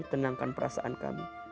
tenangkan perasaan kami